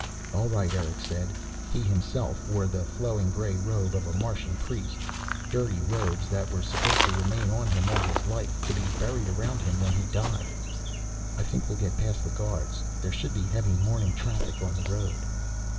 "All right," Erick said. He, himself, wore the flowing grey robe of a Martian priest, dirty robes that were supposed to remain on him all his life, to be buried around him when he died. "I think we'll get past the guards. There should be heavy morning traffic on the road."